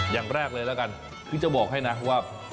อย่างแรกเลยแล้วกันคือจะบอกให้นะว่า